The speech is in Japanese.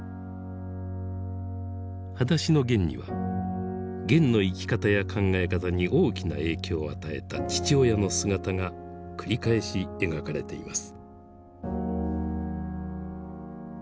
「はだしのゲン」にはゲンの生き方や考え方に大きな影響を与えた父親の姿が繰り返し描かれています。